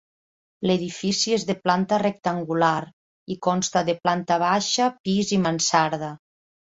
L'edifici és de planta rectangular, i consta de planta baixa, pis i mansarda.